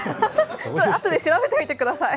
あとで調べてみてください。